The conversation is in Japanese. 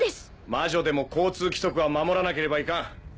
魔女でも交通規則は守らなければいかん。